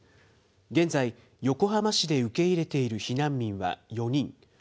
現在、横浜市で受け入れている避難民は４人。